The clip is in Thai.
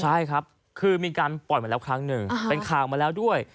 ใช่ครับคือมีการปล่อยมาแล้วครั้งหนึ่งเป็นข่าวมาแล้วด้วย